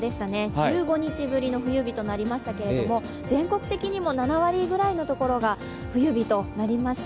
１５日ぶりの冬日となりましたけれども、全国的にも７割ぐらいのところが冬日となりました。